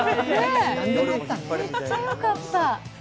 めちゃめちゃよかった。